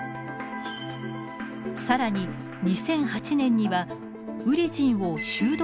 更に２００８年にはウリジンをシュード